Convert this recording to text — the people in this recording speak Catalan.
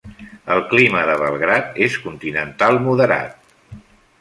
El clima de Belgrad és continental moderat.